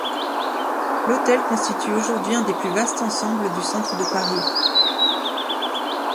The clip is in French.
L'hôtel constitue aujourd'hui un des plus vastes ensembles du centre de Paris.